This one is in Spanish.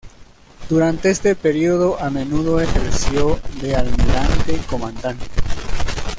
Durante este período a menudo ejerció de almirante comandante.